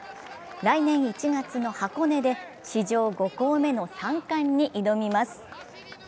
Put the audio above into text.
来年１月の箱根で史上５校目の３冠に挑みます。